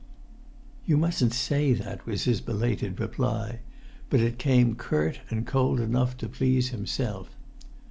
"You mustn't say that," was his belated reply; but it came curt and cold enough to please himself.